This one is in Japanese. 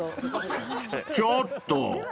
［ちょっと！